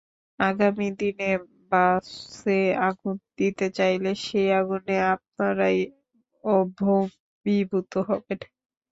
আগামী দিনে বাসে আগুন দিতে চাইলে সেই আগুনে আপনারাই ভস্মীভূত হবেন।